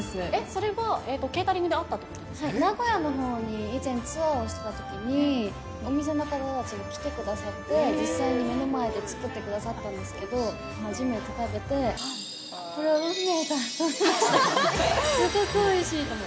それは、ケータリングであっ名古屋のほうに、以前、ツアーをしてたときに、お店の方たちが来てくださって、実際に目の前で作ってくださったんですけど、初めて食べて、これは運命だと思いました。